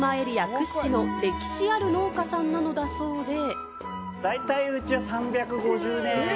練馬エリア屈指の歴史ある農家さんなんだそうです。